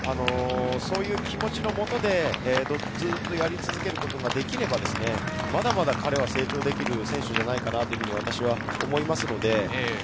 そういう気持ちのもとでずっとやり続けることができれば、まだまだ彼は成長できる選手だと私は思います。